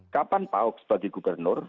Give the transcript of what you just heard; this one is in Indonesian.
kapan pak ahok sebagai gubernur